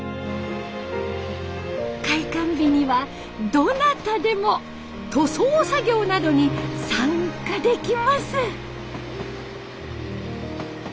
開館日にはどなたでも塗装作業などに参加できます。